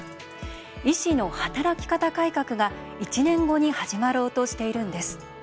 医師の働き方改革が１年後に始まろうとしているのです。